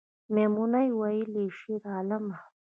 میمونۍ ویلې شیرعالمه